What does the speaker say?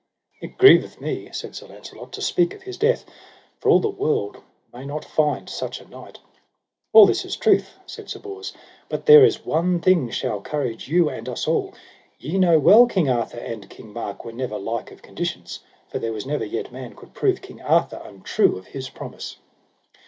It grieveth me, said Sir Launcelot, to speak of his death, for all the world may not find such a knight. All this is truth, said Sir Bors, but there is one thing shall courage you and us all, ye know well King Arthur and King Mark were never like of conditions, for there was never yet man could prove King Arthur untrue of his promise.